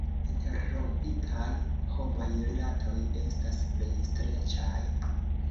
Interrompitaj homaj rilatoj estas plej streĉaj.